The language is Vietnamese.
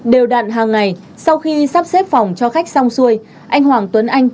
đều đạn hàng ngày sau khi sắp xếp phòng cho khách sông xuôi anh hoàng tuấn anh